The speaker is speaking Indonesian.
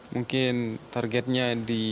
mungkin targetnya di